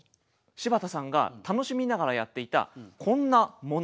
柴田さんが楽しみながらやっていたこんなもの。